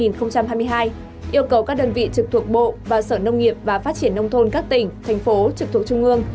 yêu cầu các đơn vị trực thuộc bộ và sở nông nghiệp và phát triển nông thôn các tỉnh thành phố trực thuộc trung ương